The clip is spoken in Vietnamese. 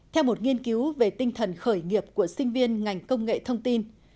theo một nghiên cứu về tinh thần khởi nghiệp của sinh viên ngành công nghệ thông tin